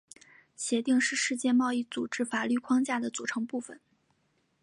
协定是世界贸易组织法律框架的组成部分。